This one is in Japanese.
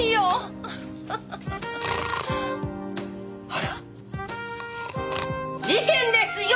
あらっ？事件ですよ！